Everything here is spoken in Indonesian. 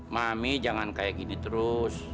mami jangan begini terus